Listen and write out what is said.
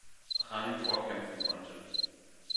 Rang vorkämpfen konnte.